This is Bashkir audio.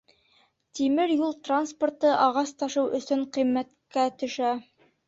Тимер юл транспорты ағас ташыу өсөн ҡиммәткә төшә.